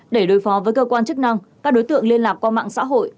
để đối phó với cơ quan chức năng các đối tượng liên lạc qua mạng xã hội